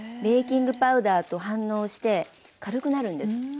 ベーキングパウダーと反応して軽くなるんです。